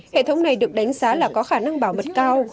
hệ thống này được đánh giá là có khả năng bảo mật cao